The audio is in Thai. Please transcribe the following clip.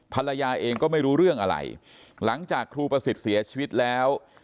ภรรยาเองก็ไม่รู้เรื่องอะไรหลังจากครูประสิทธิ์เสียชีวิตแล้ว